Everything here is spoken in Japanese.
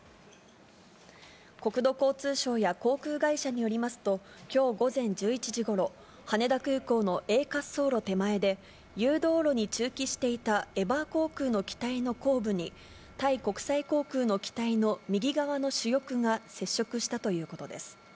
国土交通省や航空会社によりますと、きょう午前１１時ごろ、羽田空港のＡ滑走路手前で、誘導路に駐機していた、エバー航空の機体の後部にタイ国際航空の機体の右側の主翼が接触したということです。